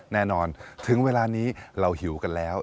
แน่นอนถึงเวลานี้เราหิวกันแล้ว